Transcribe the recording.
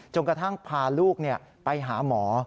กระทั่งพาลูกไปหาหมอ